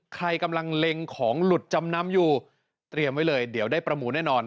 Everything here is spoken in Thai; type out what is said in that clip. ใครกำลังเล็งของหลุดจำนำอยู่เตรียมไว้เลยเดี๋ยวได้ประมูลแน่นอน